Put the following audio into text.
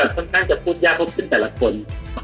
หรือคนที่จะพูดอยากพบเพื่อเจ้าหลักคน